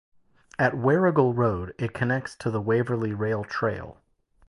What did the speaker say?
At Warrigal Road it connects to the Waverley Rail Trail.